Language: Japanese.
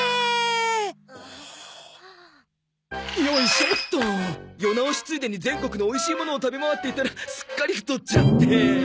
よいしょっと世直しついでに全国のおいしいものを食べ回っていたらすっかり太っちゃって！